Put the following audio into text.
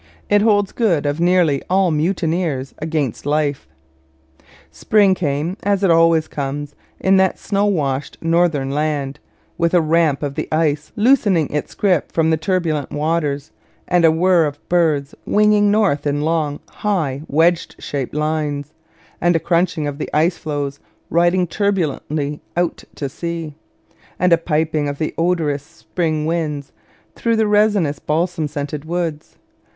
It holds good of nearly all mutineers against life. Spring came, as it always comes in that snow washed northern land, with a ramp of the ice loosening its grip from the turbulent waters, and a whirr of the birds winging north in long, high, wedge shaped lines, and a crunching of the icefloes riding turbulently out to sea, and a piping of the odorous spring winds through the resinous balsam scented woods.